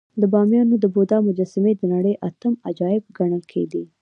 د بامیانو د بودا مجسمې د نړۍ اتم عجایب ګڼل کېدې